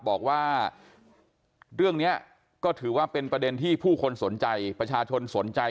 บอกว่าเรื่องนี้ก็ถือว่าเป็นประเด็นที่ผู้คนสนใจประชาชนสนใจ